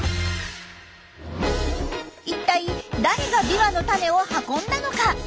一体誰がビワの種を運んだのか？